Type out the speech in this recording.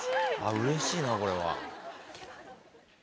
うれしいなこれは。